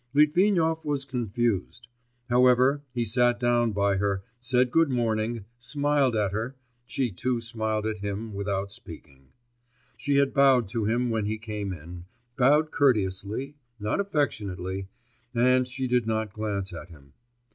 Litvinov was confused.... However, he sat down by her, said good morning, smiled at her; she too smiled at him without speaking. She had bowed to him when he came in, bowed courteously, not affectionately, and she did not glance at him.